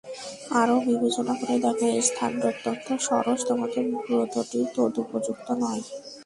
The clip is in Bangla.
আরো বিবেচনা করে দেখো, এ স্থানটি অত্যন্ত সরস, তোমাদের ব্রতটি তদুপযুক্ত নয়।